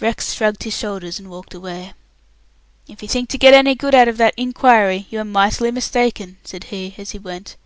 Rex shrugged his shoulders and walked away. "If you think to get any good out of that 'inquiry', you are mightily mistaken," said he, as he went.